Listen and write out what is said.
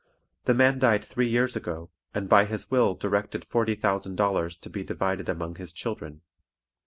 The man died three years ago, and by his will directed forty thousand dollars to be divided among his children.